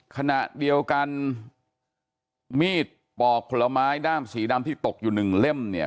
ขณะเดียวกันมีดปอกผลไม้ด้ามสีดำที่ตกอยู่หนึ่งเล่มเนี่ย